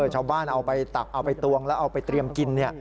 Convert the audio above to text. ชาวบ้านเอาไปตักเอาไปตวงแล้วเอาไปเตรียมกิน